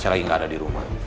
saya lagi nggak ada di rumah